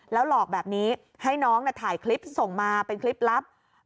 หลอกแบบนี้ให้น้องถ่ายคลิปส่งมาเป็นคลิปลับ